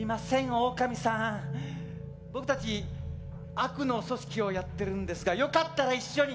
オオカミさん僕たち悪の組織をやってるんですがよかったら一緒に。